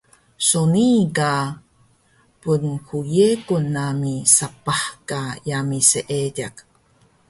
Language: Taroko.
So nii ka pnhyegun nami sapah ka yami Seediq